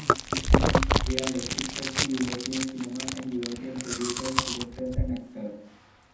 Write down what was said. They are restricted to European cinema and European producers, directors, and actors.